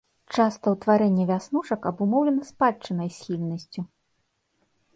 Часта ўтварэнне вяснушак абумоўлена спадчыннай схільнасцю.